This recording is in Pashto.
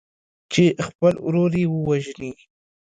چې خپل ورور ووژني.